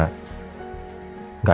bagaimana dia di penjara